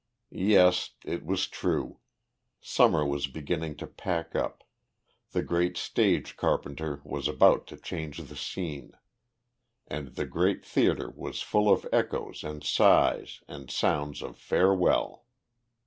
Yes! It was true. Summer was beginning to pack up, the great stage carpenter was about to change the scene, and the great theatre was full of echoes and sighs and sounds of farewell.